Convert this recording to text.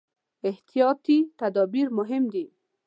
احتیاطي تدابیر مهم دي.